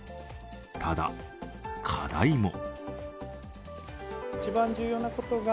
ただ、課題も。